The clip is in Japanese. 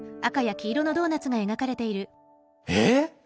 えっ？